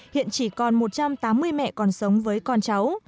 hiện chỉ còn một trăm tám mươi mẹ còn sống với con cháu